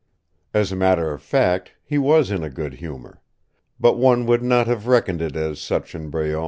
As a matter of fact he was in a good humor. But one would not have reckoned it as such in Breault.